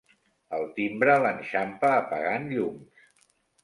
El timbre l'enxampa apagant llums.